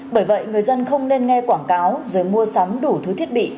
bởi vậy người dân không nên nghe quảng cáo rồi mua sắm đủ thứ thiết bị